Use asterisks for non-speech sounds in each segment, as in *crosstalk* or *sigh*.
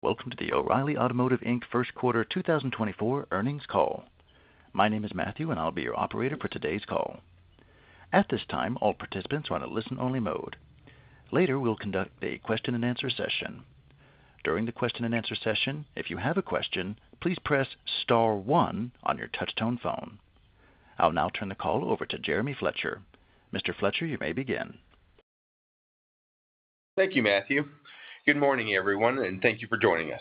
Welcome to the O'Reilly Automotive, Inc. first quarter 2024 earnings call. My name is Matthew, and I'll be your operator for today's call. At this time, all participants are on a listen-only mode. Later, we'll conduct a question-and-answer session. During the question-and-answer session, if you have a question, please press star one on your touch-tone phone. I'll now turn the call over to Jeremy Fletcher. Mr. Fletcher, you may begin. Thank you, Matthew. Good morning, everyone, and thank you for joining us.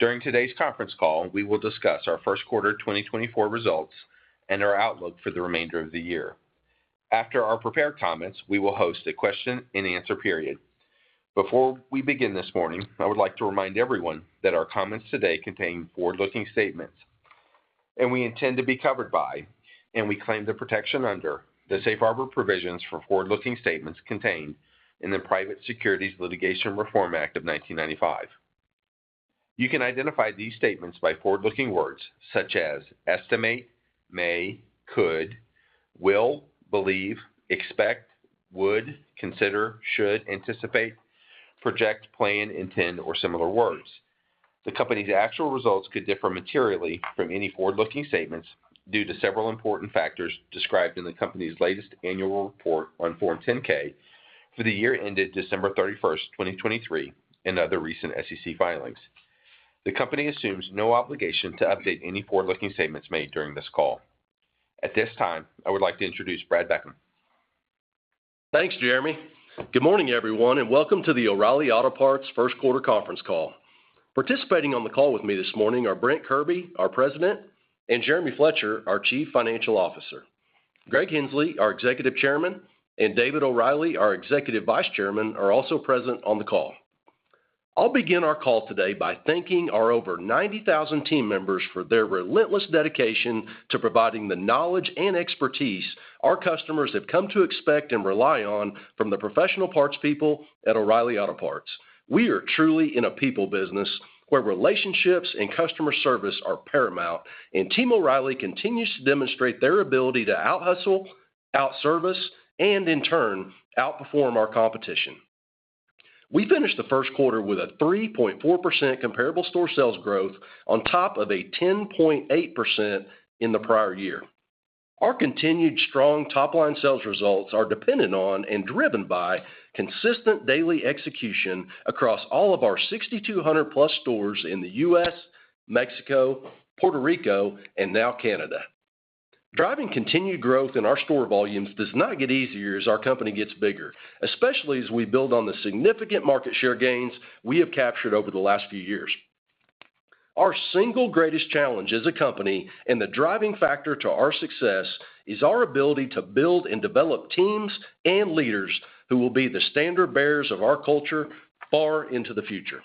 During today's conference call, we will discuss our first quarter 2024 results and our outlook for the remainder of the year. After our prepared comments, we will host a question-and-answer period. Before we begin this morning, I would like to remind everyone that our comments today contain forward-looking statements, and we intend to be covered by, and we claim the protection under, the Safe Harbor provisions for forward-looking statements contained in the Private Securities Litigation Reform Act of 1995. You can identify these statements by forward-looking words such as estimate, may, could, will, believe, expect, would, consider, should, anticipate, project, plan, intend, or similar words. The company's actual results could differ materially from any forward-looking statements due to several important factors described in the company's latest annual report on Form 10-K for the year ended December 31st, 2023, and other recent SEC filings. The company assumes no obligation to update any forward-looking statements made during this call. At this time, I would like to introduce Brad Beckham. Thanks, Jeremy. Good morning, everyone, and welcome to the O'Reilly Auto Parts first quarter conference call. Participating on the call with me this morning are Brent Kirby, our president, and Jeremy Fletcher, our chief financial officer. Greg Henslee, our Executive Chairman, and David O'Reilly, our Executive Vice Chairman, are also present on the call. I'll begin our call today by thanking our over 90,000 team members for their relentless dedication to providing the knowledge and expertise our customers have come to expect and rely on from the professional parts people at O'Reilly Auto Parts. We are truly in a people business where relationships and customer service are paramount, and Team O'Reilly continues to demonstrate their ability to out-hustle, out-service, and in turn outperform our competition. We finished the first quarter with a 3.4% Comparable Store Sales growth on top of a 10.8% in the prior year. Our continued strong top-line sales results are dependent on and driven by consistent daily execution across all of our 6,200+ stores in the U.S., Mexico, Puerto Rico, and now Canada. Driving continued growth in our store volumes does not get easier as our company gets bigger, especially as we build on the significant market share gains we have captured over the last few years. Our single greatest challenge as a company and the driving factor to our success is our ability to build and develop teams and leaders who will be the standard bearers of our culture far into the future.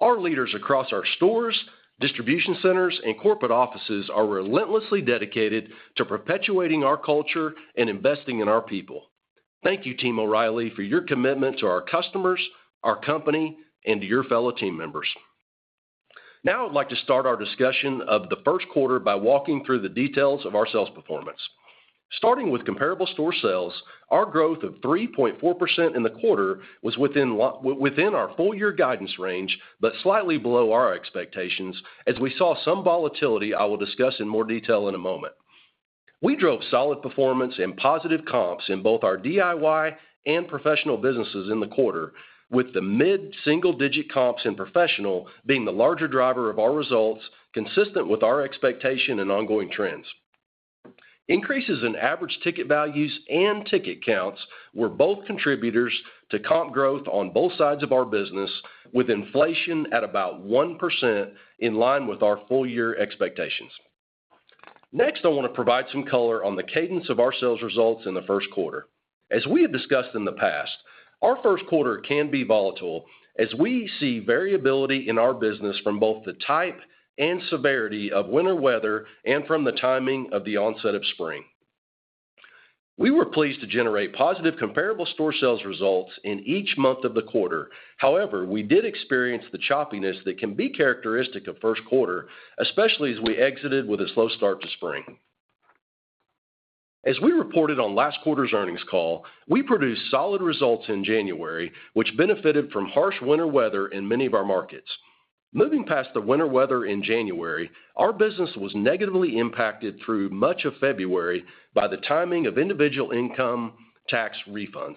Our leaders across our stores, distribution centers, and corporate offices are relentlessly dedicated to perpetuating our culture and investing in our people. Thank you, Team O'Reilly, for your commitment to our customers, our company, and to your fellow team members. Now I'd like to start our discussion of the first quarter by walking through the details of our sales performance. Starting with Comparable Store Sales, our growth of 3.4% in the quarter was within our full-year guidance range but slightly below our expectations, as we saw some volatility I will discuss in more detail in a moment. We drove solid performance and positive comps in both our DIY and professional businesses in the quarter, with the mid-single digit comps in professional being the larger driver of our results, consistent with our expectation and ongoing trends. Increases in average ticket values and ticket counts were both contributors to comp growth on both sides of our business, with inflation at about 1% in line with our full-year expectations. Next, I want to provide some color on the cadence of our sales results in the first quarter. As we have discussed in the past, our first quarter can be volatile, as we see variability in our business from both the type and severity of winter weather and from the timing of the onset of spring. We were pleased to generate positive Comparable Store Sales results in each month of the quarter. However, we did experience the choppiness that can be characteristic of first quarter, especially as we exited with a slow start to spring. As we reported on last quarter's earnings call, we produced solid results in January, which benefited from harsh winter weather in many of our markets. Moving past the winter weather in January, our business was negatively impacted through much of February by the timing of individual income tax refunds.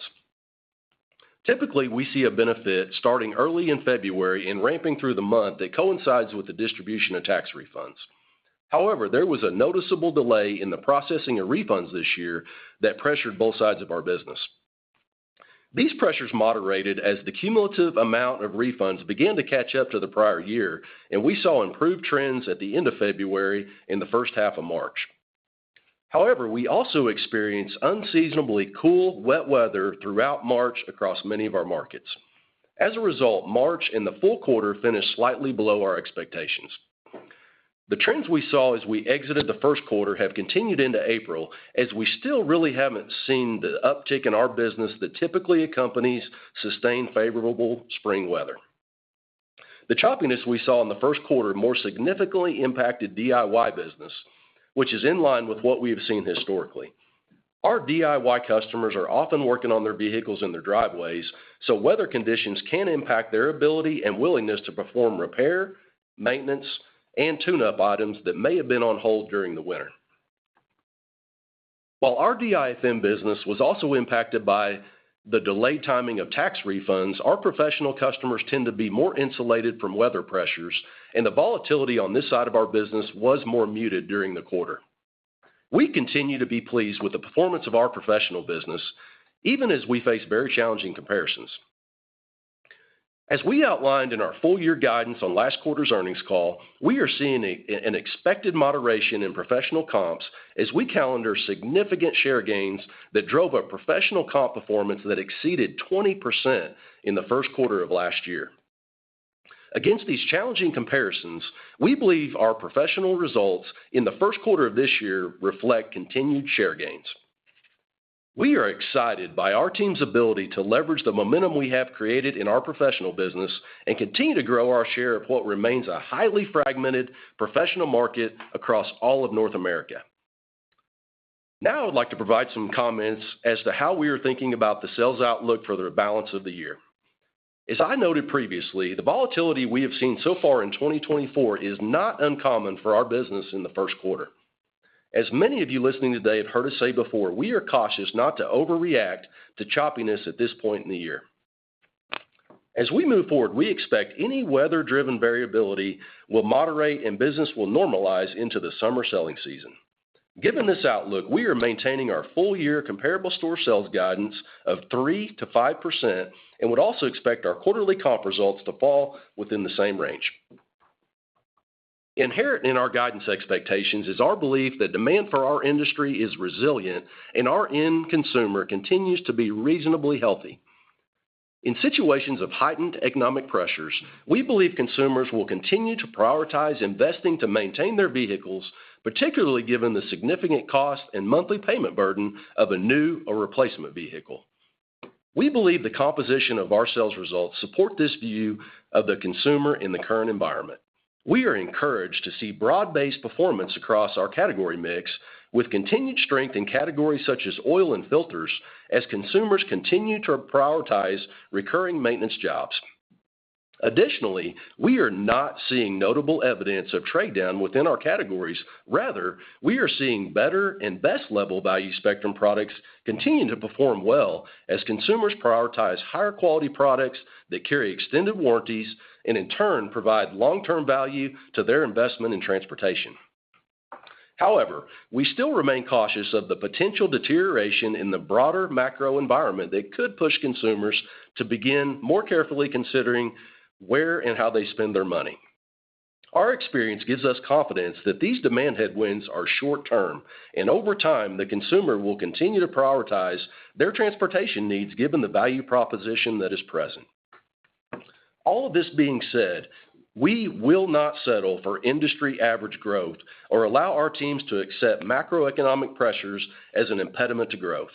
Typically, we see a benefit starting early in February and ramping through the month that coincides with the distribution of tax refunds. However, there was a noticeable delay in the processing of refunds this year that pressured both sides of our business. These pressures moderated as the cumulative amount of refunds began to catch up to the prior year, and we saw improved trends at the end of February and the first half of March. However, we also experienced unseasonably cool, wet weather throughout March across many of our markets. As a result, March and the full quarter finished slightly below our expectations. The trends we saw as we exited the first quarter have continued into April, as we still really haven't seen the uptick in our business that typically accompanies sustained favorable spring weather. The choppiness we saw in the first quarter more significantly impacted DIY business, which is in line with what we have seen historically. Our DIY customers are often working on their vehicles in their driveways, so weather conditions can impact their ability and willingness to perform repair, maintenance, and tune-up items that may have been on hold during the winter. While our DIFM business was also impacted by the delayed timing of tax refunds, our professional customers tend to be more insulated from weather pressures, and the volatility on this side of our business was more muted during the quarter. We continue to be pleased with the performance of our professional business, even as we face very challenging comparisons. As we outlined in our full-year guidance on last quarter's earnings call, we are seeing an expected moderation in professional comps as we calendar significant share gains that drove a professional comp performance that exceeded 20% in the first quarter of last year. Against these challenging comparisons, we believe our professional results in the first quarter of this year reflect continued share gains. We are excited by our team's ability to leverage the momentum we have created in our professional business and continue to grow our share of what remains a highly fragmented professional market across all of North America. Now I'd like to provide some comments as to how we are thinking about the sales outlook for the balance of the year. As I noted previously, the volatility we have seen so far in 2024 is not uncommon for our business in the first quarter. As many of you listening today have heard us say before, we are cautious not to overreact to choppiness at this point in the year. As we move forward, we expect any weather-driven variability will moderate and business will normalize into the summer selling season. Given this outlook, we are maintaining our full-year Comparable Store Sales guidance of 3%-5% and would also expect our quarterly comp results to fall within the same range. Inherent in our guidance expectations is our belief that demand for our industry is resilient and our end consumer continues to be reasonably healthy. In situations of heightened economic pressures, we believe consumers will continue to prioritize investing to maintain their vehicles, particularly given the significant cost and monthly payment burden of a new or replacement vehicle. We believe the composition of our sales results supports this view of the consumer in the current environment. We are encouraged to see broad-based performance across our category mix, with continued strength in categories such as oil and filters as consumers continue to prioritize recurring maintenance jobs. Additionally, we are not seeing notable evidence of trade-down within our categories. Rather, we are seeing better and best-level value spectrum products continue to perform well as consumers prioritize higher-quality products that carry extended warranties and in turn provide long-term value to their investment in transportation. However, we still remain cautious of the potential deterioration in the broader macro environment that could push consumers to begin more carefully considering where and how they spend their money. Our experience gives us confidence that these demand headwinds are short-term, and over time the consumer will continue to prioritize their transportation needs given the value proposition that is present. All of this being said, we will not settle for industry-average growth or allow our teams to accept macroeconomic pressures as an impediment to growth.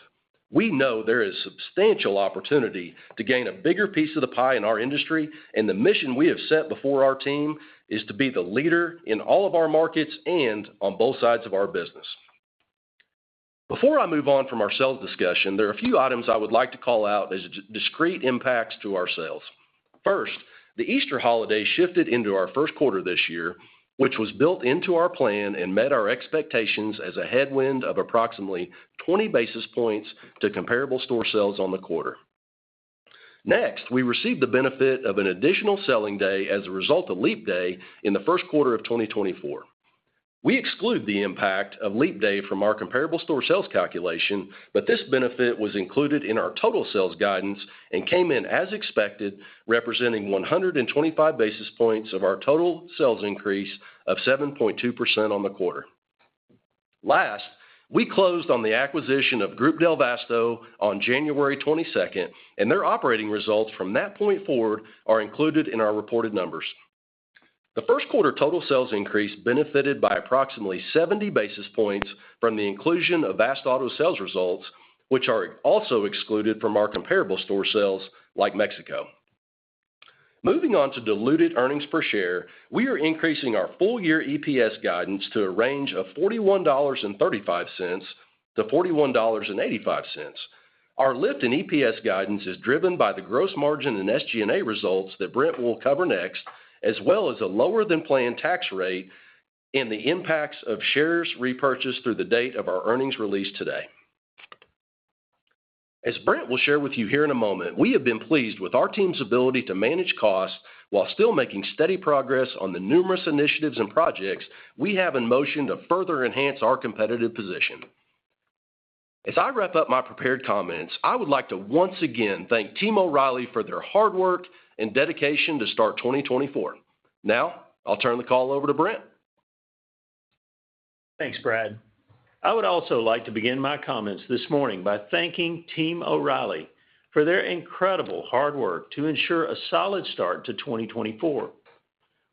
We know there is substantial opportunity to gain a bigger piece of the pie in our industry, and the mission we have set before our team is to be the leader in all of our markets and on both sides of our business. Before I move on from our sales discussion, there are a few items I would like to call out as discrete impacts to our sales. First, the Easter holiday shifted into our first quarter this year, which was built into our plan and met our expectations as a headwind of approximately 20 basis points to Comparable Store Sales on the quarter. Next, we received the benefit of an additional selling day as a result of Leap Day in the first quarter of 2024. We exclude the impact of Leap Day from our Comparable Store Sales calculation, but this benefit was included in our total sales guidance and came in as expected, representing 125 basis points of our total sales increase of 7.2% on the quarter. Last, we closed on the acquisition of Groupe Del Vasto on January 22nd, and their operating results from that point forward are included in our reported numbers. The first quarter total sales increase benefited by approximately 70 basis points from the inclusion of Vast-Auto's sales results, which are also excluded from our Comparable Store Sales like Mexico. Moving on to diluted earnings per share, we are increasing our full-year EPS guidance to a range of $41.35-$41.85. Our lift in EPS guidance is driven by the gross margin and SG&A results that Brent will cover next, as well as a lower-than-plan tax rate and the impacts of shares repurchased through the date of our earnings release today. As Brent will share with you here in a moment, we have been pleased with our team's ability to manage costs while still making steady progress on the numerous initiatives and projects we have in motion to further enhance our competitive position. As I wrap up my prepared comments, I would like to once again thank Team O'Reilly for their hard work and dedication to start 2024. Now I'll turn the call over to Brent. Thanks, Brad. I would also like to begin my comments this morning by thanking Team O'Reilly for their incredible hard work to ensure a solid start to 2024.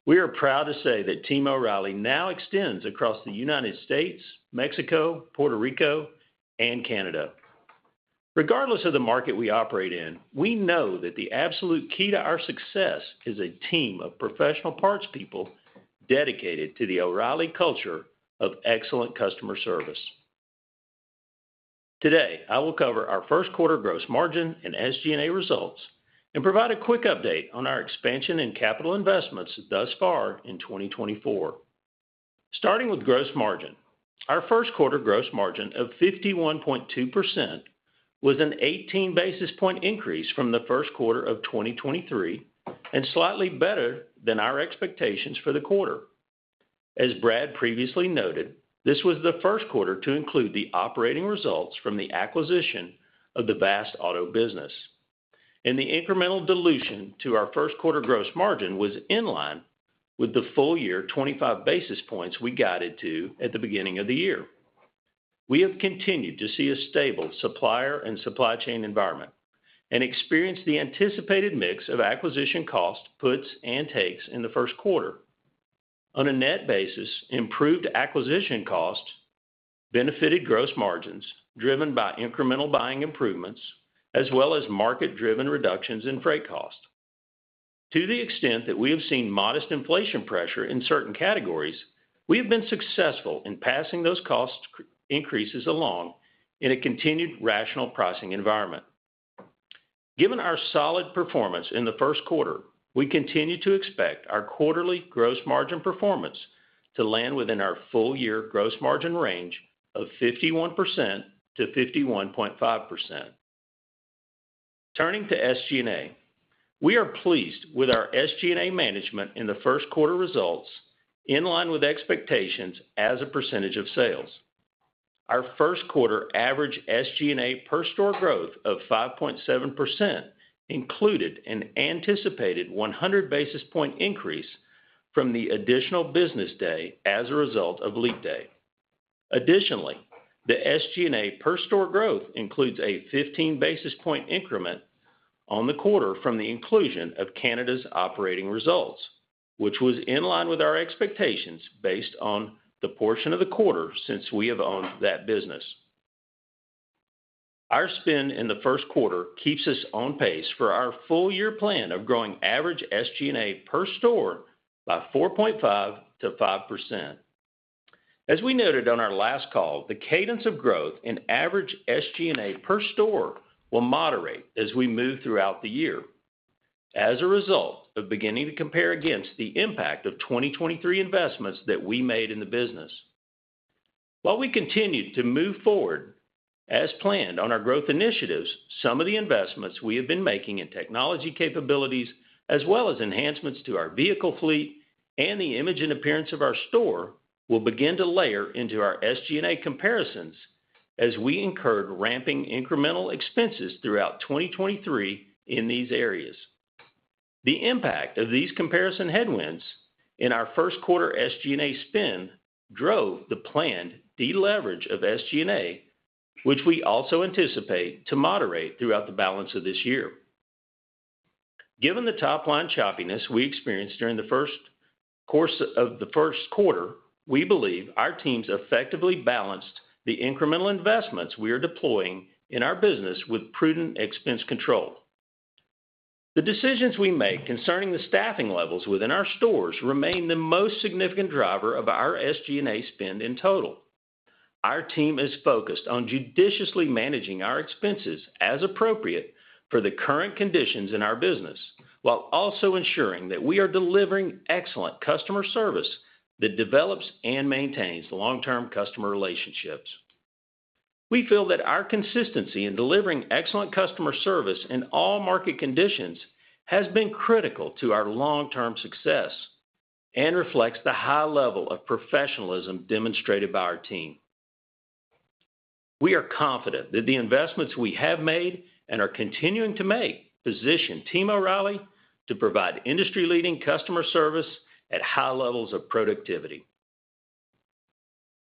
We are proud to say that Team O'Reilly now extends across the United States, Mexico, Puerto Rico, and Canada. Regardless of the market we operate in, we know that the absolute key to our success is a team of professional parts people dedicated to the O'Reilly culture of excellent customer service. Today, I will cover our first quarter gross margin and SG&A results and provide a quick update on our expansion in capital investments thus far in 2024. Starting with gross margin, our first quarter gross margin of 51.2% was an 18 basis point increase from the first quarter of 2023 and slightly better than our expectations for the quarter. As Brad previously noted, this was the first quarter to include the operating results from the acquisition of the Vast-Auto business, and the incremental dilution to our first quarter gross margin was in line with the full-year 25 basis points we guided to at the beginning of the year. We have continued to see a stable supplier and supply chain environment and experienced the anticipated mix of acquisition costs, puts, and takes in the first quarter. On a net basis, improved acquisition costs benefited gross margins driven by incremental buying improvements, as well as market-driven reductions in freight costs. To the extent that we have seen modest inflation pressure in certain categories, we have been successful in passing those cost increases along in a continued rational pricing environment. Given our solid performance in the first quarter, we continue to expect our quarterly gross margin performance to land within our full-year gross margin range of 51%-51.5%. Turning to SG&A, we are pleased with our SG&A management in the first quarter results in line with expectations as a percentage of sales. Our first quarter average SG&A per store growth of 5.7% included an anticipated 100 basis points increase from the additional business day as a result of Leap Day. Additionally, the SG&A per store growth includes a 15 basis points increment on the quarter from the inclusion of Canada's operating results, which was in line with our expectations based on the portion of the quarter since we have owned that business. Our spend in the first quarter keeps us on pace for our full-year plan of growing average SG&A per store by 4.5%-5%. As we noted on our last call, the cadence of growth in average SG&A per store will moderate as we move throughout the year as a result of beginning to compare against the impact of 2023 investments that we made in the business. While we continue to move forward as planned on our growth initiatives, some of the investments we have been making in technology capabilities, as well as enhancements to our vehicle fleet and the image and appearance of our store, will begin to layer into our SG&A comparisons as we incur ramping incremental expenses throughout 2023 in these areas. The impact of these comparison headwinds in our first quarter SG&A spend drove the planned deleverage of SG&A, which we also anticipate to moderate throughout the balance of this year. Given the top-line choppiness we experienced during the course of the first quarter, we believe our teams effectively balanced the incremental investments we are deploying in our business with prudent expense control. The decisions we make concerning the staffing levels within our stores remain the most significant driver of our SG&A spend in total. Our team is focused on judiciously managing our expenses as appropriate for the current conditions in our business while also ensuring that we are delivering excellent customer service that develops and maintains long-term customer relationships. We feel that our consistency in delivering excellent customer service in all market conditions has been critical to our long-term success and reflects the high level of professionalism demonstrated by our team. We are confident that the investments we have made and are continuing to make position Team O'Reilly to provide industry-leading customer service at high levels of productivity.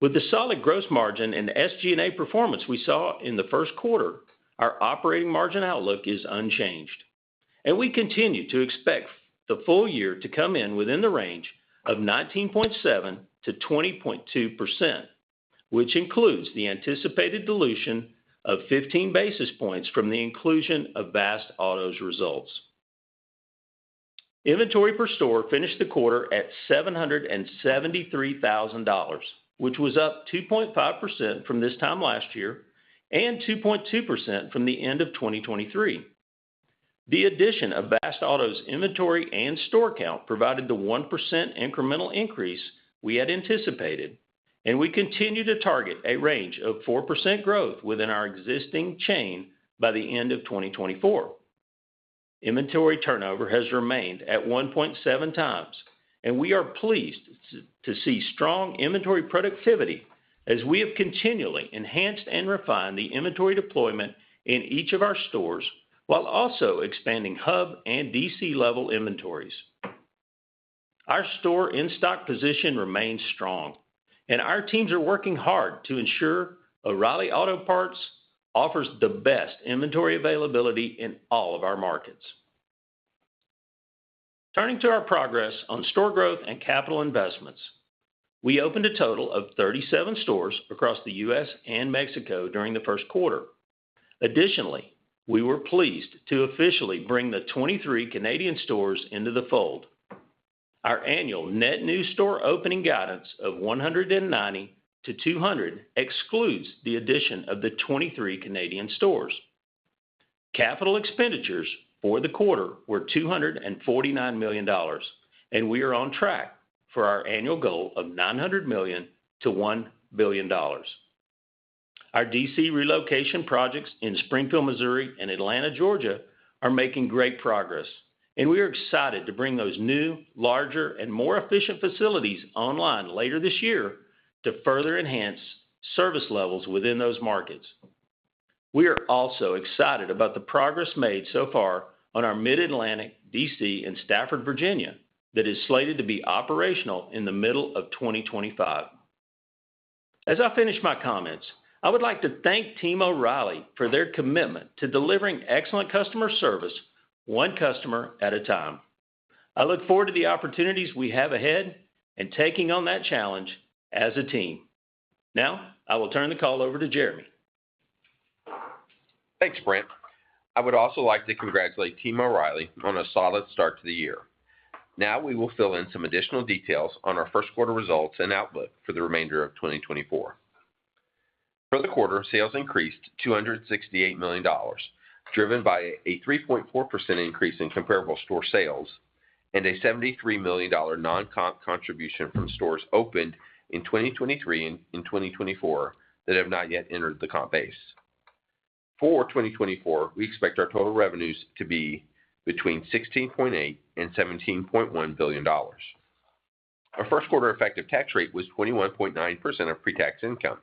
With the solid gross margin and SG&A performance we saw in the first quarter, our operating margin outlook is unchanged, and we continue to expect the full year to come in within the range of 19.7%-20.2%, which includes the anticipated dilution of 15 basis points from the inclusion of Vast-Auto's results. Inventory per store finished the quarter at $773,000, which was up 2.5% from this time last year and 2.2% from the end of 2023. The addition of Vast-Auto's inventory and store count provided the 1% incremental increase we had anticipated, and we continue to target a range of 4% growth within our existing chain by the end of 2024. Inventory turnover has remained at 1.7x, and we are pleased to see strong inventory productivity as we have continually enhanced and refined the inventory deployment in each of our stores while also expanding hub and DC-level inventories. Our store in-stock position remains strong, and our teams are working hard to ensure O'Reilly Auto Parts offers the best inventory availability in all of our markets. Turning to our progress on store growth and capital investments, we opened a total of 37 stores across the U.S. and Mexico during the first quarter. Additionally, we were pleased to officially bring the 23 Canadian stores into the fold. Our annual net new store opening guidance of 190-200 excludes the addition of the 23 Canadian stores. Capital expenditures for the quarter were $249 million, and we are on track for our annual goal of $900 million-$1 billion. Our DC relocation projects in Springfield, Missouri, and Atlanta, Georgia, are making great progress, and we are excited to bring those new, larger, and more efficient facilities online later this year to further enhance service levels within those markets. We are also excited about the progress made so far on our Mid-Atlantic DC in Stafford, Virginia that is slated to be operational in the middle of 2025. As I finish my comments, I would like to thank Team O'Reilly for their commitment to delivering excellent customer service one customer at a time. I look forward to the opportunities we have ahead and taking on that challenge as a team. Now I will turn the call over to Jeremy. Thanks, Brent. I would also like to congratulate Team O'Reilly on a solid start to the year. Now we will fill in some additional details on our first quarter results and outlook for the remainder of 2024. For the quarter, sales increased $268 million, driven by a 3.4% increase in Comparable Store Sales and a $73 million non-comp contribution from stores opened in 2023 and in 2024 that have not yet entered the comp base. For 2024, we expect our total revenues to be between $16.8 billion-$17.1 billion. Our first quarter effective tax rate was 21.9% of pre-tax income,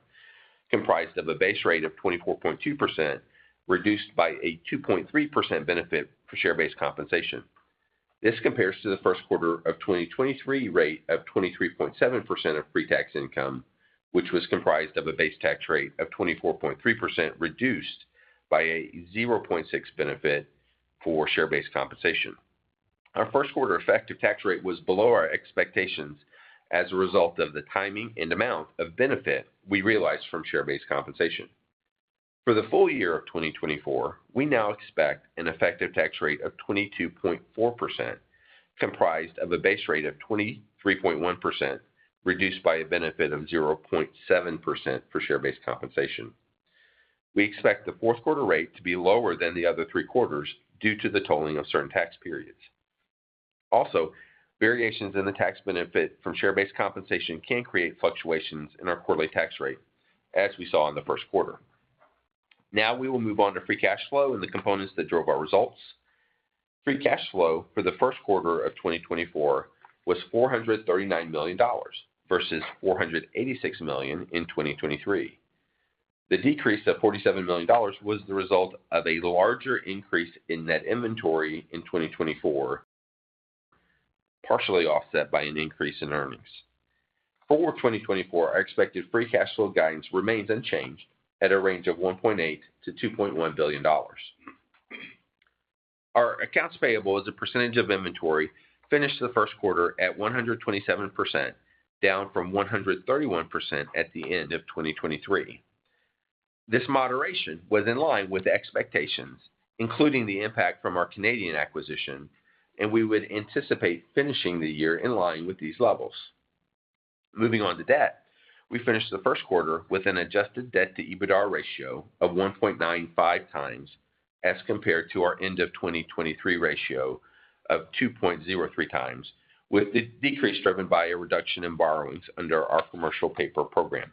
comprised of a base rate of 24.2% reduced by a 2.3% benefit for share-based compensation. This compares to the first quarter of 2023 rate of 23.7% of pre-tax income, which was comprised of a base tax rate of 24.3% reduced by a 0.6% benefit for share-based compensation. Our first quarter effective tax rate was below our expectations as a result of the timing and amount of benefit we realized from share-based compensation. For the full year of 2024, we now expect an effective tax rate of 22.4% comprised of a base rate of 23.1% reduced by a benefit of 0.7% for share-based compensation. We expect the fourth quarter rate to be lower than the other three quarters due to the tolling of certain tax periods. Also, variations in the tax benefit from share-based compensation can create fluctuations in our quarterly tax rate, as we saw in the first quarter. Now we will move on to free cash flow and the components that drove our results. Free cash flow for the first quarter of 2024 was $439 million versus $486 million in 2023. The decrease of $47 million was the result of a larger increase in net inventory in 2024, partially offset by an increase in earnings. For 2024, our expected Free Cash Flow guidance remains unchanged at a range of $1.8 billion-$2.1 billion. Our accounts payable as a percentage of inventory finished the first quarter at 127%, down from 131% at the end of 2023. This moderation was in line with expectations, including the impact from our Canadian acquisition, and we would anticipate finishing the year in line with these levels. Moving on to debt, we finished the first quarter with an Adjusted Debt-to-EBITDA ratio of 1.95x as compared to our end-of-2023 ratio of 2.03x, with the decrease driven by a reduction in borrowings under our Commercial Paper Program.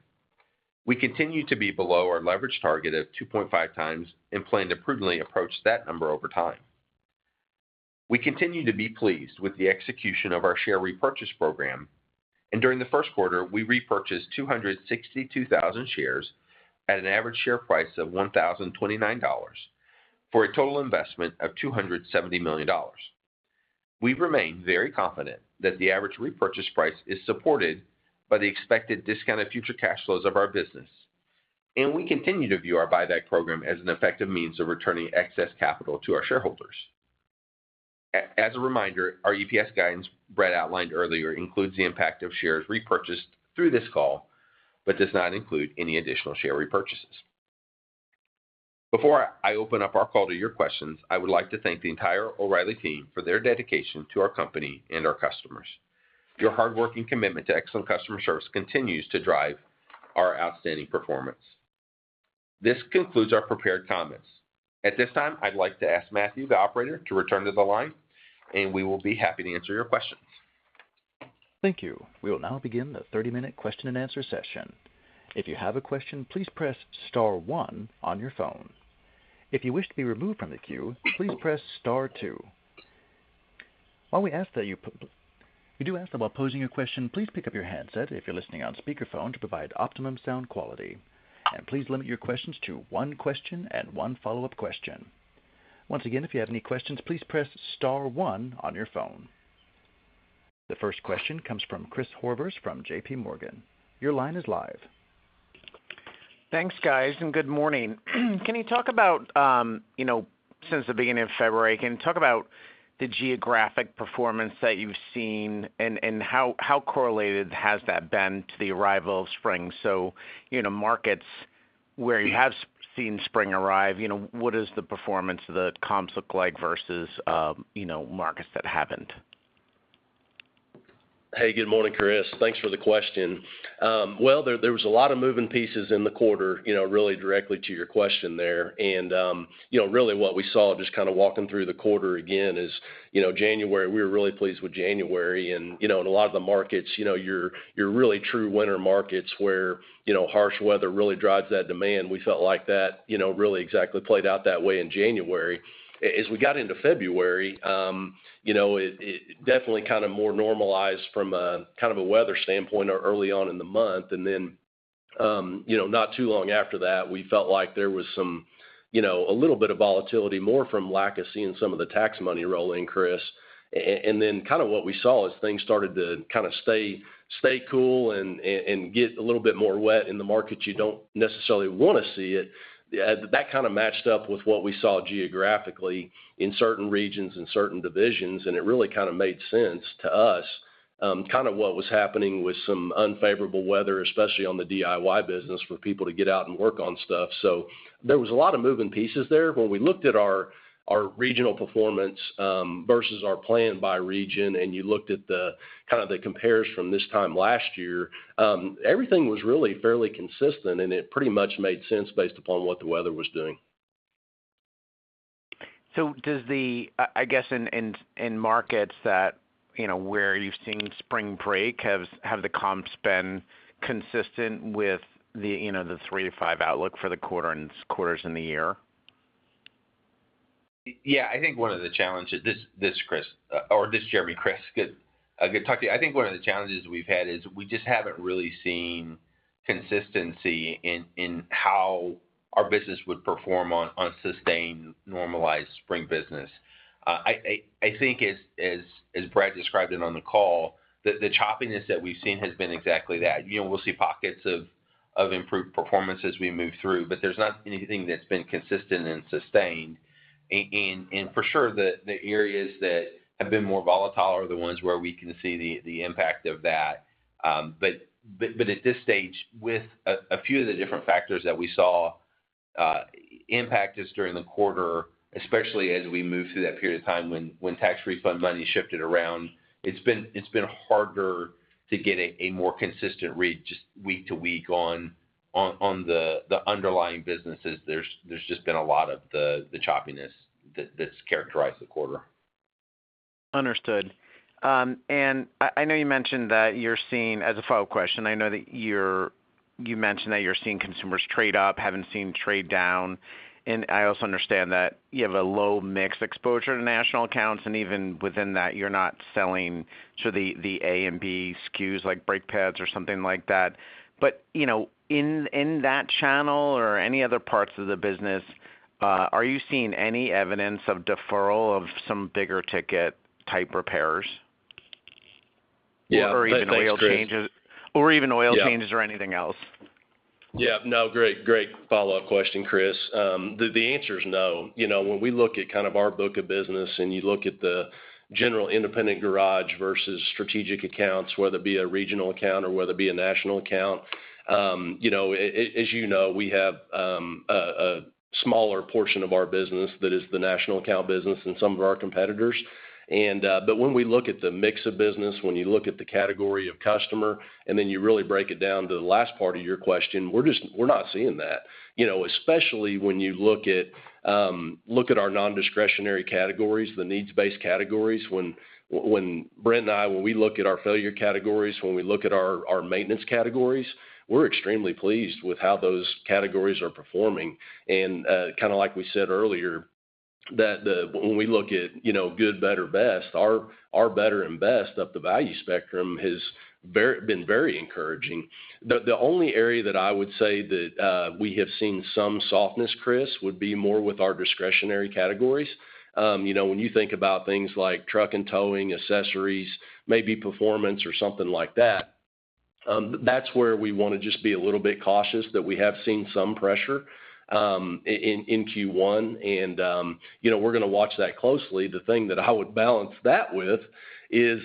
We continue to be below our leverage target of 2.5x and plan to prudently approach that number over time. We continue to be pleased with the execution of our share repurchase program, and during the first quarter, we repurchased 262,000 shares at an average share price of $1,029 for a total investment of $270 million. We remain very confident that the average repurchase price is supported by the expected discounted future cash flows of our business, and we continue to view our buyback program as an effective means of returning excess capital to our shareholders. As a reminder, our EPS guidance, Brad outlined earlier, includes the impact of shares repurchased through this call but does not include any additional share repurchases. Before I open up our call to your questions, I would like to thank the entire O'Reilly team for their dedication to our company and our customers. Your hardworking commitment to excellent customer service continues to drive our outstanding performance. This concludes our prepared comments. At this time, I'd like to ask Matthew, the operator, to return to the line, and we will be happy to answer your questions. Thank you. We will now begin the 30-minute question and answer session. If you have a question, please press star one on your phone. If you wish to be removed from the queue, please press star two. While posing your question, please pick up your handset if you're listening on speakerphone to provide optimum sound quality. Please limit your questions to one question and one follow-up question. Once again, if you have any questions, please press star one on your phone. The first question comes from Chris Horvers from JPMorgan. Your line is live. Thanks, guys, and good morning. Can you talk about, you know, since the beginning of February, can you talk about the geographic performance that you've seen and how correlated has that been to the arrival of spring? So, you know, markets where you have seen spring arrive, you know, what does the performance of the comps look like versus, you know, markets that haven't? Hey, good morning, Chris. Thanks for the question. Well, there were a lot of moving pieces in the quarter, you know, really directly to your question there. You know, really what we saw just kind of walking through the quarter again is, you know, January. We were really pleased with January. You know, in a lot of the markets, you know, we're in really true winter markets where, you know, harsh weather really drives that demand. We felt like that, you know, really exactly played out that way in January. As we got into February, you know, it definitely kind of more normalized from a kind of a weather standpoint early on in the month. And then, you know, not too long after that, we felt like there was some, you know, a little bit of volatility more from lack of seeing some of the tax money roll in, Chris. And then kind of what we saw is things started to kind of stay cool and get a little bit more wet in the markets you don't necessarily want to see it. That kind of matched up with what we saw geographically in certain regions and certain divisions, and it really kind of made sense to us, kind of what was happening with some unfavorable weather, especially on the DIY business for people to get out and work on stuff. So there was a lot of moving pieces there. When we looked at our regional performance versus our plan by region and you looked at the kind of the compares from this time last year, everything was really fairly consistent, and it pretty much made sense based upon what the weather was doing. In markets that, you know, where you've seen spring break, have the comps been consistent with the three to five outlook for the quarters in the year? This is Jeremy. Chris, good to talk to you. I think one of the challenges we've had is we just haven't really seen consistency in how our business would perform on sustained, normalized spring business. I think, as Brad described it on the call, the choppiness that we've seen has been exactly that. You know, we'll see pockets of improved performance as we move through, but there's not anything that's been consistent and sustained. And for sure, the areas that have been more volatile are the ones where we can see the impact of that. But at this stage, with a few of the different factors that we saw impact us during the quarter, especially as we move through that period of time when tax refund money shifted around, it's been harder to get a more consistent read just week to week on the underlying businesses. There's just been a lot of the choppiness that's characterized the quarter. Understood. And I know you mentioned that you're seeing, as a follow-up question, I know that you mentioned that you're seeing consumers trade up, haven't seen trade down. And I also understand that you have a low mix exposure to national accounts, and even within that, you're not selling sort of the A and B SKUs like brake pads or something like that. But, you know, in that channel or any other parts of the business, are you seeing any evidence of deferral of some bigger ticket type repairs? Yeah, that's good. Or even oil changes or anything else? Yeah, no, great, great follow-up question, Chris. The answer is no. You know, when we look at kind of our book of business and you look at the general independent garage versus strategic accounts, whether it be a regional account or whether it be a national account, you know, as you know, we have a smaller portion of our business that is the national account business than some of our competitors. But when we look at the mix of business, when you look at the category of customer, and then you really break it down to the last part of your question, we're not seeing that. You know, especially when you look at our nondiscretionary categories, the needs-based categories, when Brent and I, when we look at our failure categories, when we look at our maintenance categories, we're extremely pleased with how those categories are performing. And kind of like we said earlier, when we look at good, better, best, our better and best up the value spectrum has been very encouraging. The only area that I would say that we have seen some softness, Chris, would be more with our discretionary categories. You know, when you think about things like truck and towing, accessories, maybe performance or something like that, that's where we want to just be a little bit cautious that we have seen some pressure in Q1. And, you know, we're going to watch that closely. The thing that I would balance that with is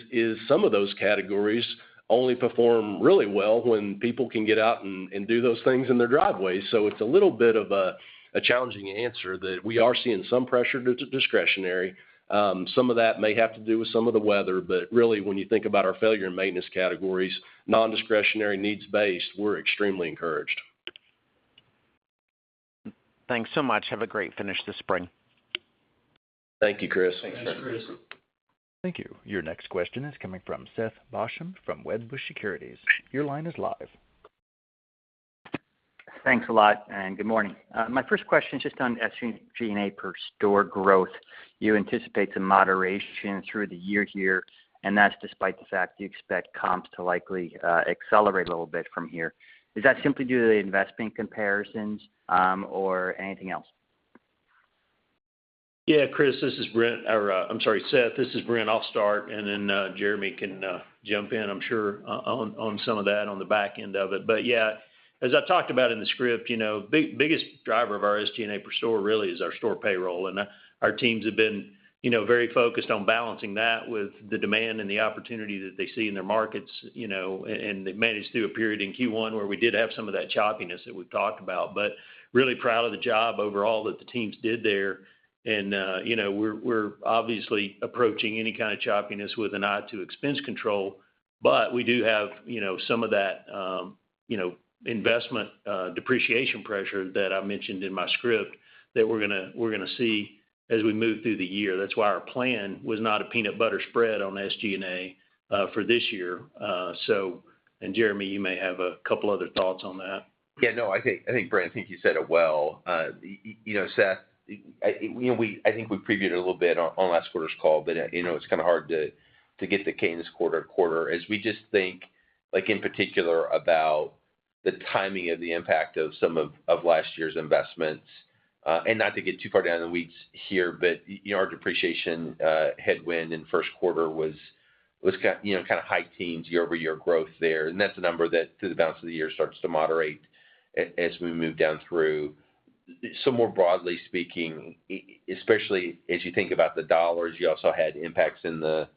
some of those categories only perform really well when people can get out and do those things in their driveways. So it's a little bit of a challenging answer that we are seeing some pressure to discretionary. Some of that may have to do with some of the weather, but really, when you think about our failure and maintenance categories, nondiscretionary, needs-based, we're extremely encouraged. Thanks so much. Have a great finish this spring. Thank you, Chris. Thanks, Chris. Thank you. Your next question is coming from Seth Basham from Wedbush Securities. Your line is live. Thanks a lot and good morning. My first question is just on SG&A per store growth. You anticipate some moderation through the year here, and that's despite the fact you expect comps to likely accelerate a little bit from here. Is that simply due to the investment comparisons or anything else? Yeah, Chris, this is Brent. Or I'm sorry, Seth, this is Brent. I'll start, and then Jeremy can jump in, I'm sure, on some of that, on the back end of it. But yeah, as I talked about in the script, you know, biggest driver of our SG&A per store really is our store payroll. And our teams have been very focused on balancing that with the demand and the opportunity that they see in their markets. You know, and they managed through a period in Q1 where we did have some of that choppiness that we've talked about, but really proud of the job overall that the teams did there. You know, we're obviously approaching any kind of choppiness with an eye to expense control, but we do have, you know, some of that, you know, investment depreciation pressure that I mentioned in my script that we're going to see as we move through the year. That's why our plan was not a peanut butter spread on SG&A for this year. And Jeremy, you may have a couple other thoughts on that. Yeah, no, I think, Brent, I think you said it well. You know, Seth, you know, I think we previewed it a little bit on last quarter's call, but you know, it's kind of hard to get the K in this quarter-to-quarter as we just think, like in particular about the timing of the impact of some of last year's investments. Not to get too far down in the weeds here, but our depreciation headwind in first quarter was kind of high teens, year-over-year growth there. That's a number that, through the balance of the year, starts to moderate as we move down through. More broadly speaking, especially as you think about the dollars, you also had impacts in the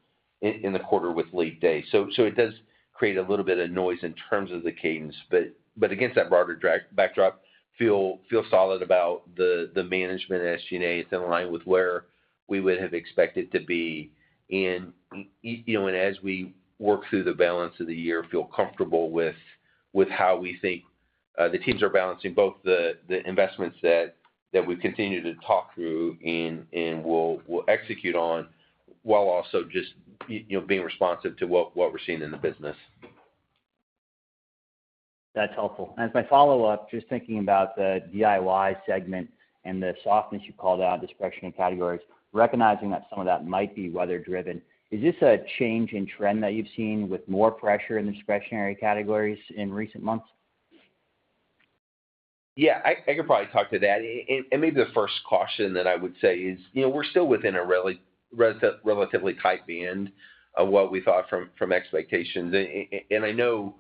quarter with leap day. It does create a little bit of noise in terms of the cadence. Against that broader backdrop, feel solid about the management at SG&A. It's in line with where we would have expected to be. And, you know, and as we work through the balance of the year, feel comfortable with how we think the teams are balancing both the investments that we continue to talk through and we'll execute on while also just being responsive to what we're seeing in the business. That's helpful. As my follow-up, just thinking about the DIY segment and the softness you called out, discretionary categories, recognizing that some of that might be weather-driven, is this a change in trend that you've seen with more pressure in the discretionary categories in recent months? Yeah, I could probably talk to that. Maybe the first caution that I would say is, you know, we're still within a relatively tight band of what we thought from expectations. I know,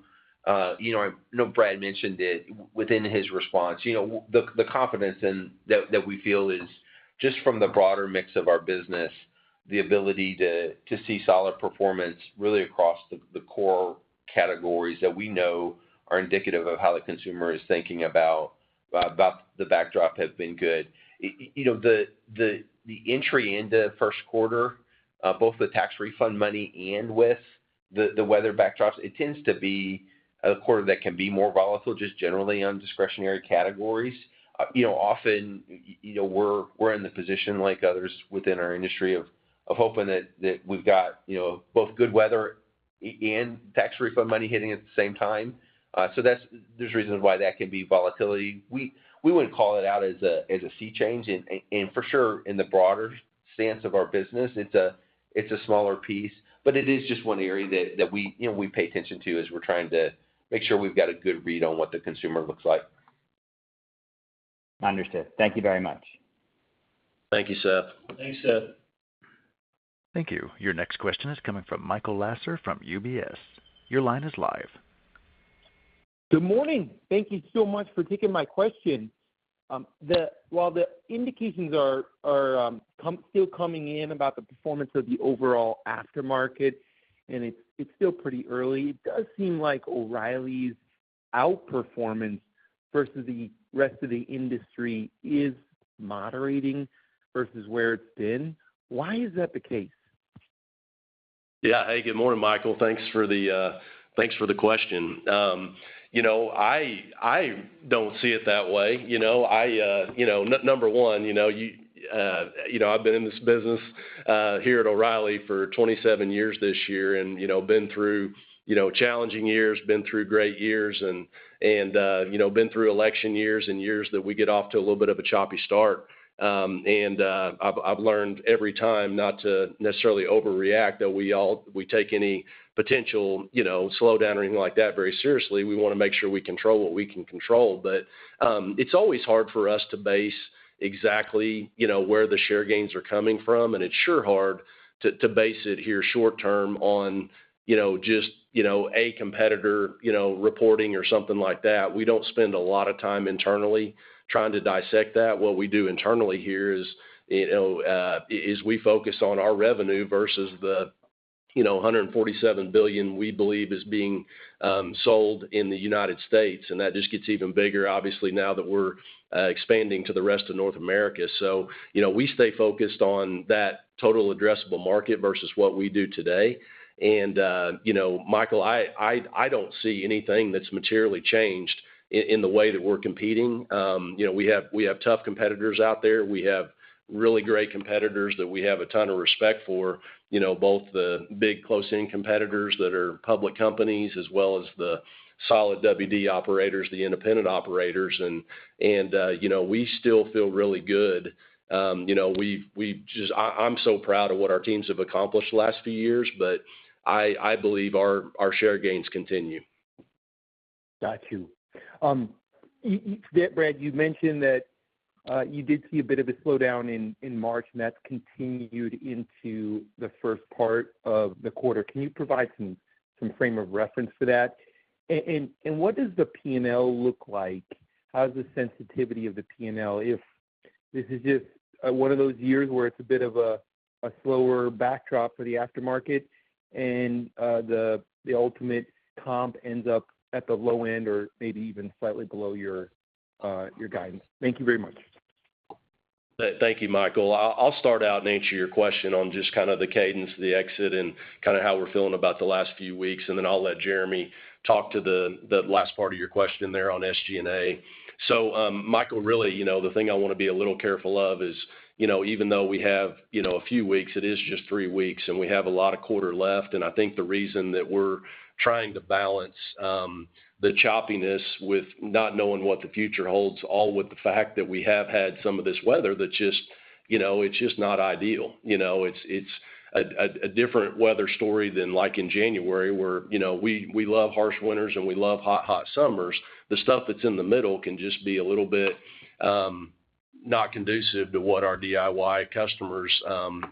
you know, I know Brad mentioned it within his response. You know, the confidence that we feel is just from the broader mix of our business, the ability to see solid performance really across the core categories that we know are indicative of how the consumer is thinking about the backdrop have been good. You know, the entry into first quarter, both the tax refund money and with the weather backdrops, it tends to be a quarter that can be more volatile just generally on discretionary categories. You know, often, you know, we're in the position like others within our industry of hoping that we've got both good weather and tax refund money hitting at the same time. So there's reasons why that can be volatility. We wouldn't call it out as a sea change. And for sure, in the broader stance of our business, it's a smaller piece. But it is just one area that we pay attention to as we're trying to make sure we've got a good read on what the consumer looks like. Understood. Thank you very much. Thank you, Seth. Thanks, Seth. Thank you. Your next question is coming from Michael Lasser from UBS. Your line is live. Good morning. Thank you so much for taking my question. While the indications are still coming in about the performance of the overall aftermarket, and it's still pretty early, it does seem like O'Reilly's outperformance versus the rest of the industry is moderating versus where it's been. Why is that the case? Yeah, hey, good morning, Michael. Thanks for the question. You know, I don't see it that way. You know, number one, you know, I've been in this business here at O'Reilly for 27 years this year and been through challenging years, been through great years, and been through election years and years that we get off to a little bit of a choppy start. I've learned every time not to necessarily overreact, that we take any potential slowdown or anything like that very seriously. We want to make sure we control what we can control. But it's always hard for us to base exactly where the share gains are coming from, and it's sure hard to base it here short-term on just a competitor reporting or something like that. We don't spend a lot of time internally trying to dissect that. What we do internally here is we focus on our revenue versus the $147 billion we believe is being sold in the United States. And that just gets even bigger, obviously, now that we're expanding to the rest of North America. So we stay focused on that total addressable market versus what we do today. And, you know, Michael, I don't see anything that's materially changed in the way that we're competing. You know, we have tough competitors out there. We have really great competitors that we have a ton of respect for, both the big close-in competitors that are public companies as well as the solid WD operators, the independent operators. And, you know, we still feel really good. You know, I'm so proud of what our teams have accomplished the last few years, but I believe our share gains continue. Got you. Brad, you mentioned that you did see a bit of a slowdown in March, and that's continued into the first part of the quarter. Can you provide some frame of reference for that? And what does the P&L look like? How is the sensitivity of the P&L if this is just one of those years where it's a bit of a slower backdrop for the aftermarket and the ultimate comp ends up at the low end or maybe even slightly below your guidance? Thank you very much. Thank you, Michael. I'll start out and answer your question on just kind of the cadence, the exit, and kind of how we're feeling about the last few weeks. And then I'll let Jeremy talk to the last part of your question there on SG&A. So, Michael, really, you know, the thing I want to be a little careful of is, you know, even though we have a few weeks, it is just three weeks, and we have a lot of quarter left. And I think the reason that we're trying to balance the choppiness with not knowing what the future holds, all with the fact that we have had some of this weather that just, you know, it's just not ideal. You know, it's a different weather story than like in January where, you know, we love harsh winters and we love hot, hot summers. The stuff that's in the middle can just be a little bit not conducive to what our DIY customers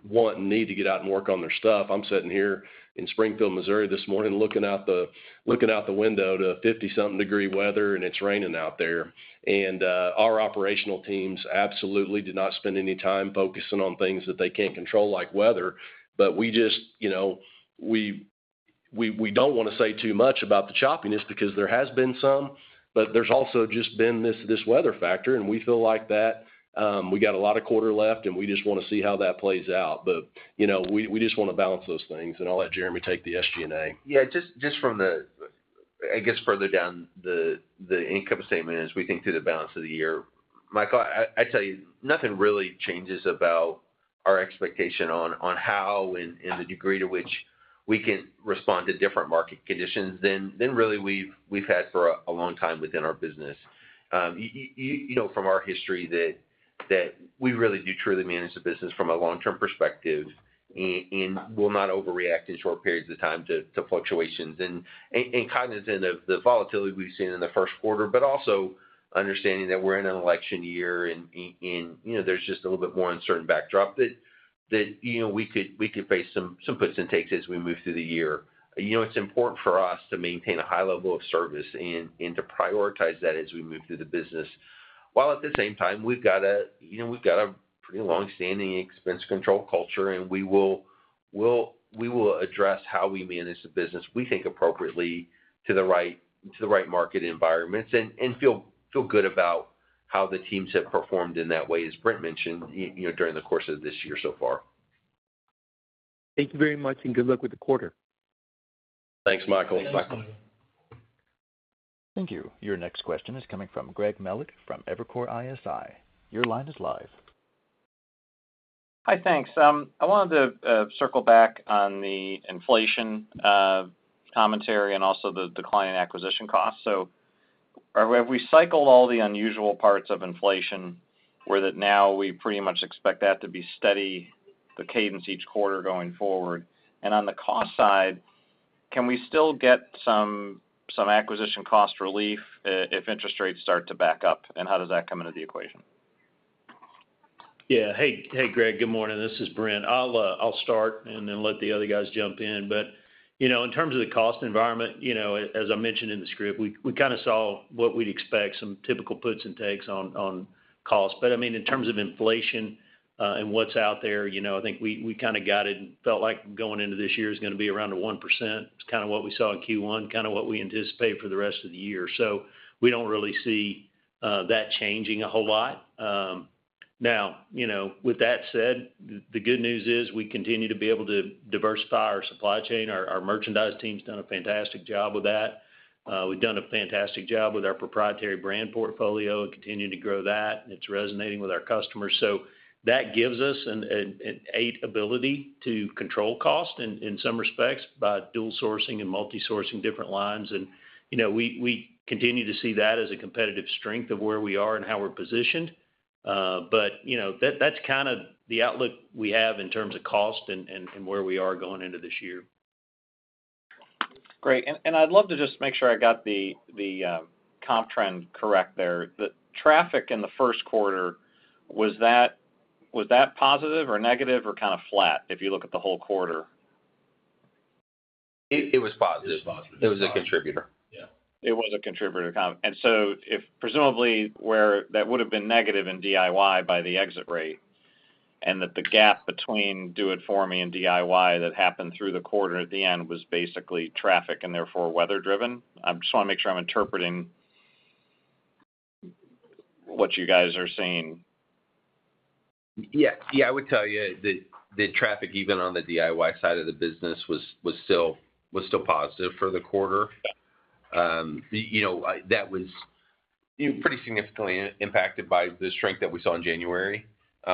want and need to get out and work on their stuff. I'm sitting here in Springfield, Missouri this morning looking out the window to 50-something-degree weather, and it's raining out there. Our operational teams absolutely did not spend any time focusing on things that they can't control like weather. But we just, you know, we don't want to say too much about the choppiness because there has been some, but there's also just been this weather factor, and we feel like that. We got a lot of quarter left, and we just want to see how that plays out. But, you know, we just want to balance those things. And I'll let Jeremy take the SG&A. Yeah, just from the, I guess, further down the income statement as we think through the balance of the year, Michael, I tell you, nothing really changes about our expectation on how and the degree to which we can respond to different market conditions than really we've had for a long time within our business. You know, from our history, that we really do truly manage the business from a long-term perspective and will not overreact in short periods of time to fluctuations and cognizant of the volatility we've seen in the first quarter, but also understanding that we're in an election year and there's just a little bit more uncertain backdrop that we could face some puts and takes as we move through the year. You know, it's important for us to maintain a high level of service and to prioritize that as we move through the business. While at the same time, we've got a pretty longstanding expense control culture, and we will address how we manage the business, we think appropriately, to the right market environments and feel good about how the teams have performed in that way, as Brent mentioned, during the course of this year so far. Thank you very much and good luck with the quarter. Thanks, Michael. Thank you. Your next question is coming from Greg Melich from Evercore ISI. Your line is live. Hi, thanks. I wanted to circle back on the inflation commentary and also the decline in acquisition costs. So have we cycled all the unusual parts of inflation where that now we pretty much expect that to be steady, the cadence each quarter going forward? And on the cost side, can we still get some acquisition cost relief if interest rates start to back up? And how does that come into the equation? Yeah. Hey, Greg, good morning. This is Brent. I'll start and then let the other guys jump in. But in terms of the cost environment, as I mentioned in the script, we kind of saw what we'd expect, some typical puts and takes on costs. But I mean, in terms of inflation and what's out there, I think we kind of got it and felt like going into this year is going to be around 1%. It's kind of what we saw in Q1, kind of what we anticipate for the rest of the year. So we don't really see that changing a whole lot. Now, with that said, the good news is we continue to be able to diversify our supply chain. Our merchandise team's done a fantastic job with that. We've done a fantastic job with our proprietary brand portfolio and continued to grow that. It's resonating with our customers. So that gives us an ability to control cost in some respects by dual sourcing and multi-sourcing different lines. And we continue to see that as a competitive strength of where we are and how we're positioned. But that's kind of the outlook we have in terms of cost and where we are going into this year. Great. And I'd love to just make sure I got the comp trend correct there. The traffic in the first quarter, was that positive or negative or kind of flat if you look at the whole quarter? It was positive. It was a contributor. It was a contributor, kind of. And so presumably where that would have been negative in DIY by the exit rate and that the gap between do-it-for-me and DIY that happened through the quarter at the end was basically traffic and therefore weather-driven. I just want to make sure I'm interpreting what you guys are seeing? Yeah, I would tell you that traffic even on the DIY side of the business was still positive for the quarter. That was pretty significantly impacted by the strength that we saw in January,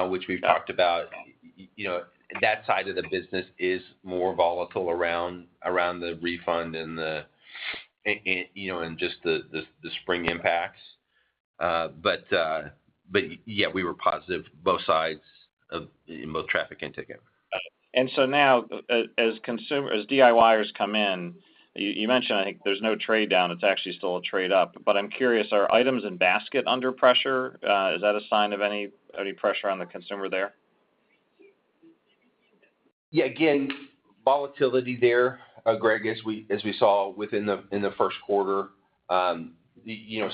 which we've talked about. That side of the business is more volatile around the refund and just the spring impacts. But yeah, we were positive both sides in both traffic and ticket. And so now as DIYers come in, you mentioned, I think, there's no trade down. It's actually still a trade up. But I'm curious, are items in basket under pressure? Is that a sign of any pressure on the consumer there? Yeah, again, volatility there, Greg, as we saw within the first quarter.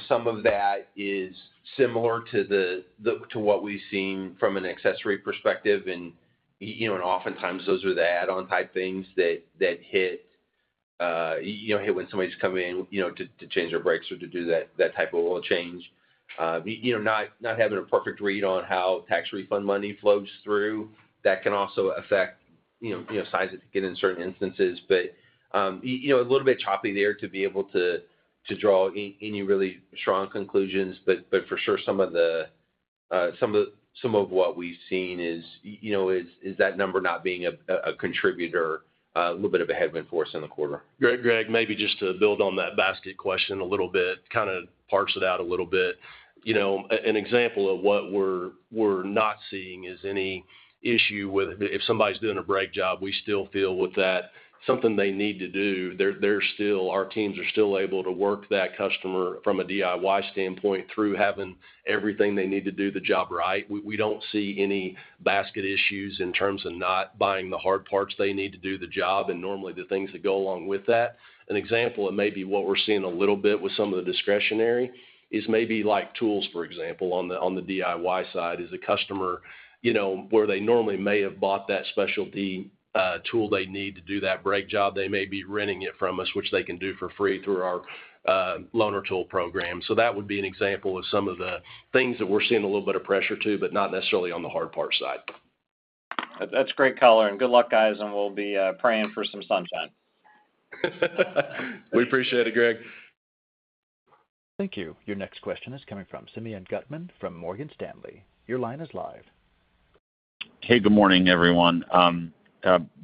Some of that is similar to what we've seen from an accessory perspective. Oftentimes, those are the add-on type things that hit when somebody's coming in to change their brakes or to do that type of oil change. Not having a perfect read on how tax refund money flows through, that can also affect size of ticket in certain instances. A little bit choppy there to be able to draw any really strong conclusions. For sure, some of what we've seen is that number not being a contributor, a little bit of a headwind force in the quarter. Greg, maybe just to build on that basket question a little bit, kind of parse it out a little bit. An example of what we're not seeing is any issue with if somebody's doing a brake job, we still feel with that something they need to do. Our teams are still able to work that customer from a DIY standpoint through having everything they need to do the job right. We don't see any basket issues in terms of not buying the hard parts they need to do the job and normally the things that go along with that. An example of maybe what we're seeing a little bit with some of the discretionary is maybe tools, for example, on the DIY side. If a customer where they normally may have bought that specialty tool they need to do that brake job, they may be renting it from us, which they can do for free through our Loaner Tool Program. So that would be an example of some of the things that we're seeing a little bit of pressure to, but not necessarily on the hard part side. That's great color. Good luck, guys, and we'll be praying for some sunshine. We appreciate it, Greg. Thank you. Your next question is coming from Simeon Gutman from Morgan Stanley. Your line is live. Hey, good morning, everyone.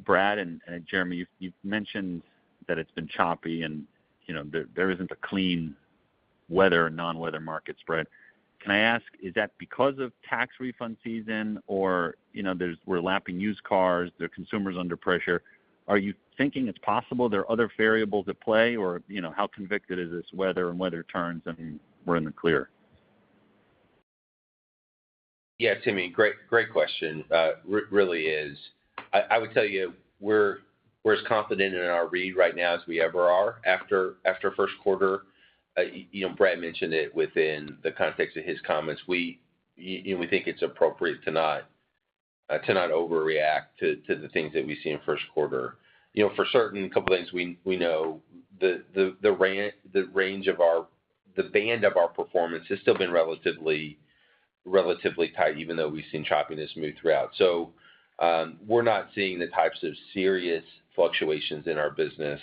Brad and Jeremy, you've mentioned that it's been choppy and there isn't a clean weather and non-weather market spread. Can I ask, is that because of tax refund season or we're lapping used cars, they're consumers under pressure? Are you thinking it's possible there are other variables at play or how convicted is this weather and weather turns and we're in the clear? Yeah, Simeon, great question really is. I would tell you we're as confident in our read right now as we ever are after first quarter. Brad mentioned it within the context of his comments. We think it's appropriate to not overreact to the things that we see in first quarter. For certain, a couple of things we know, the band of our performance has still been relatively tight even though we've seen choppiness move throughout. So we're not seeing the types of serious fluctuations in our business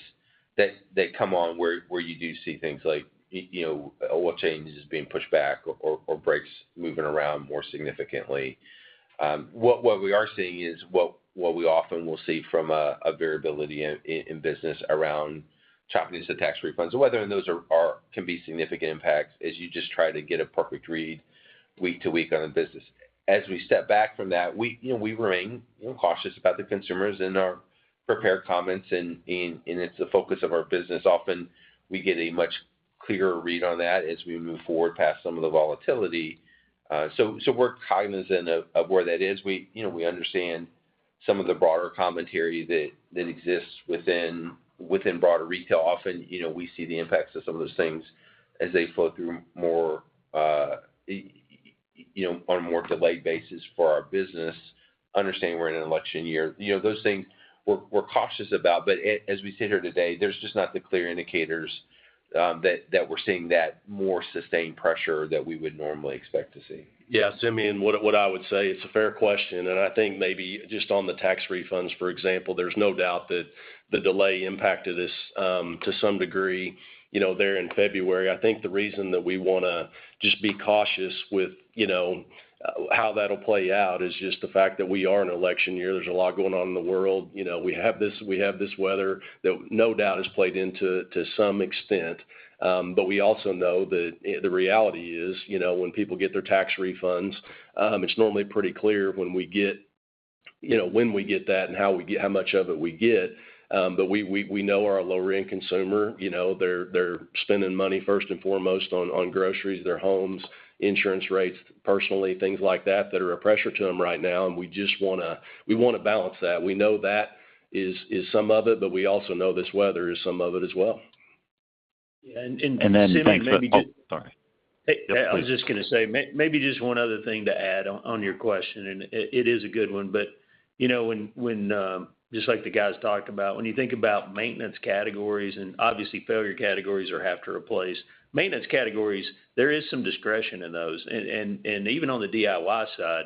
that come on where you do see things like oil changes being pushed back or brakes moving around more significantly. What we are seeing is what we often will see from a variability in business around choppiness of tax refunds and whether or not those can be significant impacts as you just try to get a perfect read week to week on the business. As we step back from that, we remain cautious about the consumers in our prepared comments and it's the focus of our business. Often, we get a much clearer read on that as we move forward past some of the volatility. So we're cognizant of where that is. We understand some of the broader commentary that exists within broader retail. Often, we see the impacts of some of those things as they flow through more on a delayed basis for our business, understanding we're in an election year. Those things, we're cautious about. But as we sit here today, there's just not the clear indicators that we're seeing that more sustained pressure that we would normally expect to see. Yeah, Simeon, what I would say, it's a fair question. I think maybe just on the tax refunds, for example, there's no doubt that the delay impacted this to some degree there in February. I think the reason that we want to just be cautious with how that'll play out is just the fact that it's an election year. There's a lot going on in the world. We have this weather that no doubt has played into some extent. But we also know that the reality is when people get their tax refunds, it's normally pretty clear when we get when we get that and how much of it we get. But we know our lower-end consumer, they're spending money first and foremost on groceries, their homes, insurance rates, personally, things like that that are a pressure to them right now. And we just want to balance that. We know that is some of it, but we also know this weather is some of it as well. Yeah. And then, *crosstalk* Sorry. Hey, I was just going to say maybe just one other thing to add on your question. It is a good one. But just like the guys talked about, when you think about maintenance categories and obviously, failure categories are have to replace. Maintenance categories, there is some discretion in those. And even on the DIY side,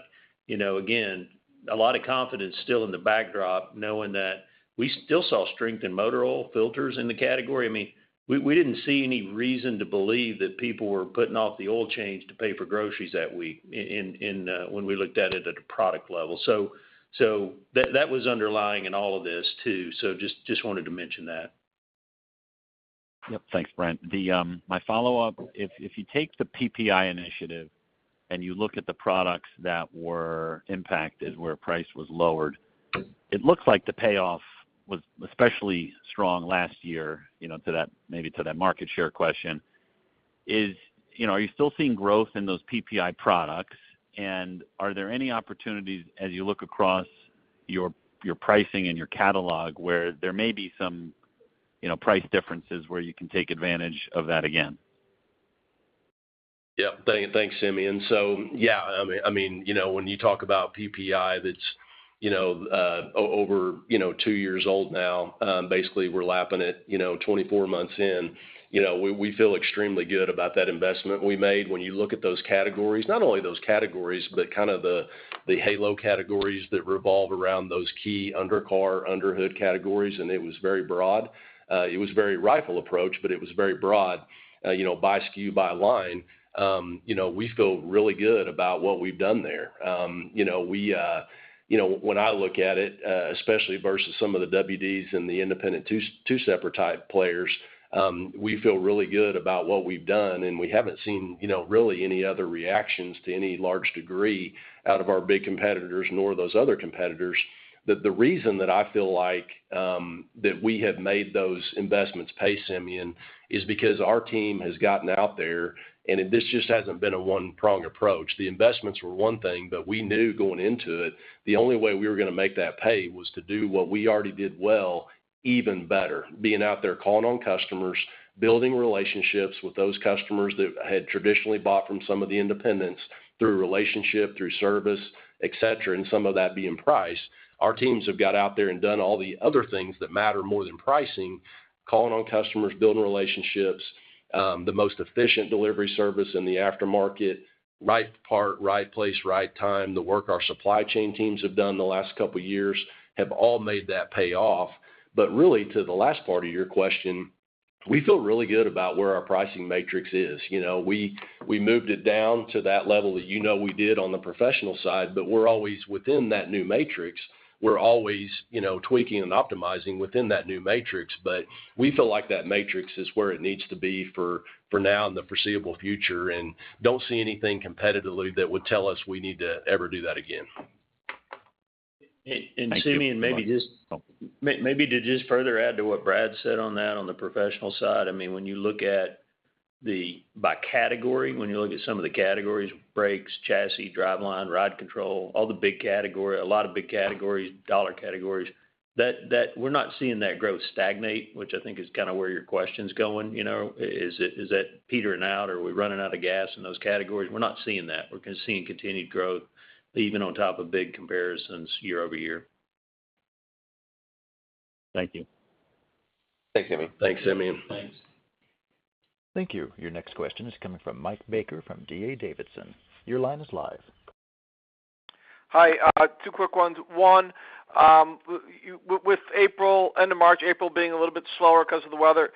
again, a lot of confidence still in the backdrop knowing that we still saw strength in motor oil filters in the category. I mean, we didn't see any reason to believe that people were putting off the oil change to pay for groceries that week when we looked at it at a product level. So that was underlying in all of this too. So just wanted to mention that. Yep, thanks, Brent. My follow-up, if you take the PPI initiative and you look at the products that were impacted where price was lowered, it looks like the payoff was especially strong last year to that maybe to that market share question. Are you still seeing growth in those PPI products? And are there any opportunities as you look across your pricing and your catalog where there may be some price differences where you can take advantage of that again? Yep, thanks, Simeon. So yeah, I mean, when you talk about PPI that's over two years old now, basically, we're lapping it 24 months in. We feel extremely good about that investment we made. When you look at those categories, not only those categories, but kind of the halo categories that revolve around those key undercar, underhood categories, and it was very broad. It was very rifle approach, but it was very broad, by SKU, by line. We feel really good about what we've done there. When I look at it, especially versus some of the WDs and the independent two-separate type players, we feel really good about what we've done. And we haven't seen really any other reactions to any large degree out of our big competitors nor those other competitors. The reason that I feel like that we have made those investments pay, Simeon, is because our team has gotten out there. This just hasn't been a one-prong approach. The investments were one thing, but we knew going into it, the only way we were going to make that pay was to do what we already did well even better, being out there calling on customers, building relationships with those customers that had traditionally bought from some of the independents through relationship, through service, etc., and some of that being price. Our teams have got out there and done all the other things that matter more than pricing, calling on customers, building relationships, the most efficient delivery service in the aftermarket, right part, right place, right time. The work our supply chain teams have done the last couple of years have all made that pay off. But really, to the last part of your question, we feel really good about where our pricing matrix is. We moved it down to that level that you know we did on the professional side, but we're always within that new matrix. We're always tweaking and optimizing within that new matrix. But we feel like that matrix is where it needs to be for now in the foreseeable future and don't see anything competitively that would tell us we need to ever do that again. And Simeon, maybe to just further add to what Brad said on that on the professional side, I mean, when you look at the by category, when you look at some of the categories, brakes, chassis, driveline, ride control, all the big category, a lot of big categories, dollar categories, we're not seeing that growth stagnate, which I think is kind of where your question's going. Is that petering out? Are we running out of gas in those categories? We're not seeing that. We're seeing continued growth even on top of big comparisons year over year. Thank you. Thanks, Simeon. Thanks, Simeon. Thanks. Thank you. Your next question is coming from Mike Baker from D.A. Davidson. Your line is live. Hi. Two quick ones. One, with April end of March, April being a little bit slower because of the weather,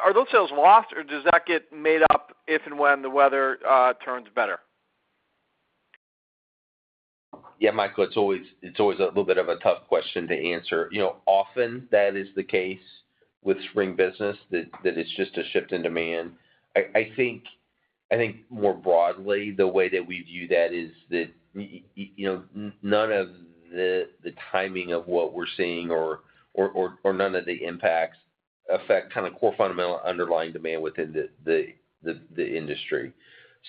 are those sales lost or does that get made up if and when the weather turns better? Yeah, Michael, it's always a little bit of a tough question to answer. Often, that is the case with spring business that it's just a shift in demand. I think more broadly, the way that we view that is that none of the timing of what we're seeing or none of the impacts affect kind of core fundamental underlying demand within the industry.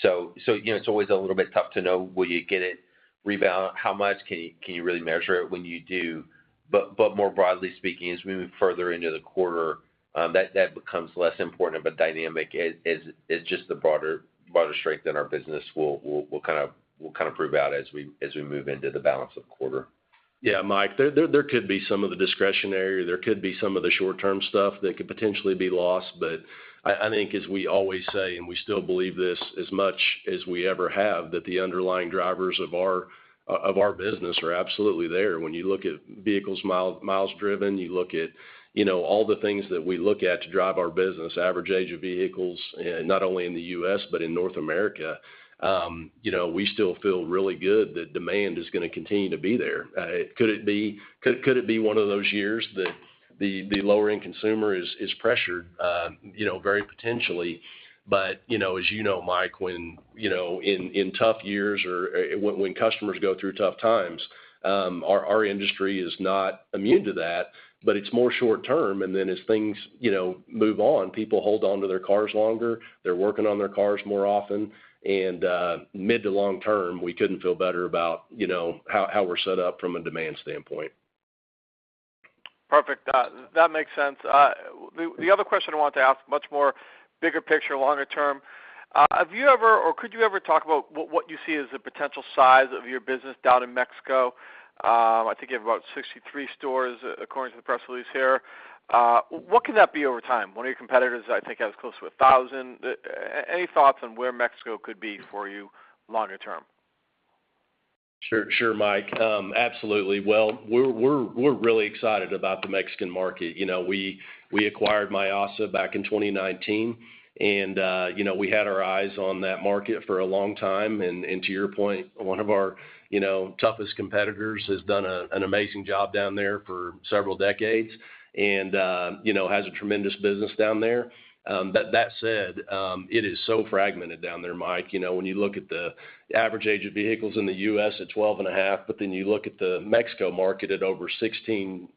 So it's always a little bit tough to know will you get it rebound, how much can you really measure it when you do. But more broadly speaking, as we move further into the quarter, that becomes less important of a dynamic as just the broader strength in our business will kind of prove out as we move into the balance of quarter. Yeah, Mike, there could be some of the discretionary. There could be some of the short-term stuff that could potentially be lost. But I think, as we always say, and we still believe this as much as we ever have, that the underlying drivers of our business are absolutely there. When you look at vehicle miles driven, you look at all the things that we look at to drive our business, average age of vehicles, not only in the U.S., but in North America, we still feel really good that demand is going to continue to be there. Could it be one of those years that the lower-end consumer is pressured very potentially? But as you know, Mike, in tough years or when customers go through tough times, our industry is not immune to that. But it's more short-term. Then as things move on, people hold on to their cars longer. They're working on their cars more often. Mid to long term, we couldn't feel better about how we're set up from a demand standpoint. Perfect. That makes sense. The other question I wanted to ask, much more bigger picture, longer term, have you ever or could you ever talk about what you see as the potential size of your business down in Mexico? I think you have about 63 stores according to the press release here. What can that be over time? One of your competitors, I think, has close to 1,000. Any thoughts on where Mexico could be for you longer term? Sure, Mike. Absolutely. Well, we're really excited about the Mexican market. We acquired Mayasa back in 2019. We had our eyes on that market for a long time. To your point, one of our toughest competitors has done an amazing job down there for several decades and has a tremendous business down there. That said, it is so fragmented down there, Mike. When you look at the average age of vehicles in the U.S., it's 12.5. Then you look at the Mexico market at over 16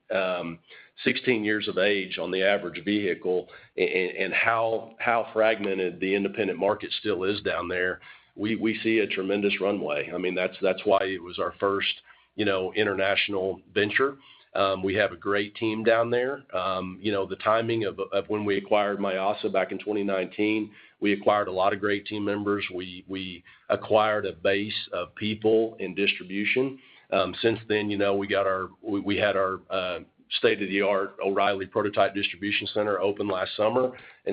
years of age on the average vehicle and how fragmented the independent market still is down there, we see a tremendous runway. I mean, that's why it was our first international venture. We have a great team down there. The timing of when we acquired Mayasa back in 2019, we acquired a lot of great team members. We acquired a base of people in distribution. Since then, we had our state-of-the-art O'Reilly Prototype Distribution Center open last summer.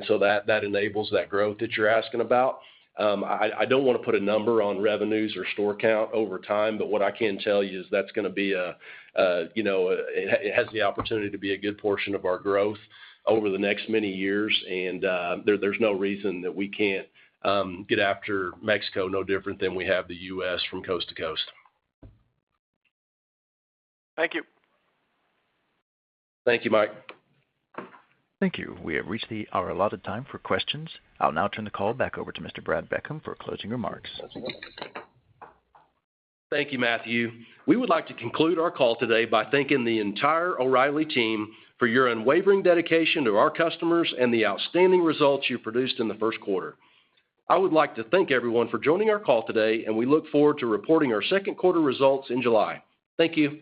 So that enables that growth that you're asking about. I don't want to put a number on revenues or store count over time, but what I can tell you is that it has the opportunity to be a good portion of our growth over the next many years. And there's no reason that we can't get after Mexico, no different than we have the U.S. from coast to coast. Thank you. Thank you, Mike. Thank you. We have reached our allotted time for questions. I'll now turn the call back over to Mr. Brad Beckham for closing remarks. Thank you, Matthew. We would like to conclude our call today by thanking the entire O'Reilly team for your unwavering dedication to our customers and the outstanding results you produced in the first quarter. I would like to thank everyone for joining our call today. We look forward to reporting our second quarter results in July. Thank you.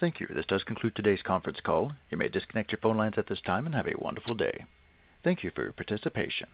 Thank you. This does conclude today's conference call. You may disconnect your phone lines at this time and have a wonderful day. Thank you for your participation.